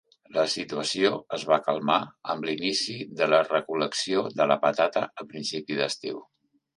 La situació es va calmar amb l'inici de la recol·lecció de la patata a principi d'estiu.